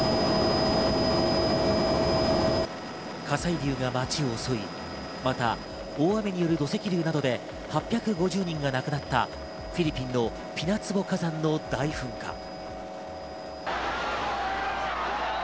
火砕流が街を襲い、また大雨による土石流などで８５０人が亡くなったフィリピンのピナツボ火山の大噴火。